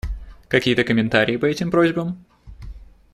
Какие-то комментарии по этим просьбам?